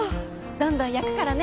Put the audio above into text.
どんどん焼くからね。